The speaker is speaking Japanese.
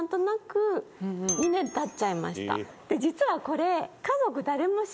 「で実はこれ」